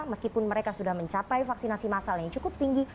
meskipun mereka sudah mencapai vaksinasi massal yang cukup tinggi